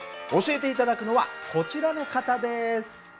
教えて頂くのはこちらの方です。